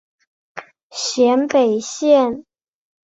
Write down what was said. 咸北线